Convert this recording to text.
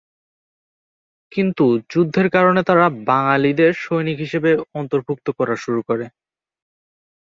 কিন্তু যুদ্ধের কারণে তারা বাঙালিদের সৈনিক হিসেবে অন্তর্ভুক্ত করা শুরু করে।